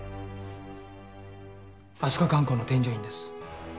飛鳥観光の添乗員です。